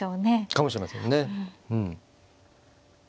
かもしれませんねうん。